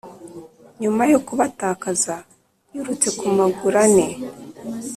nyuma yo kubatakaza, yirutse ku maguru ane